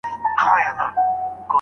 نه به کاڼی پوست سي، نه به غلیم دوست سي.